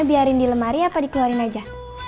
biarin di lemari apakah di keliarin aja